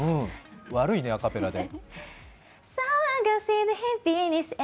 悪いね、アカペラで。